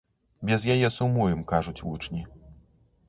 Без яе сумуем, кажуць вучні.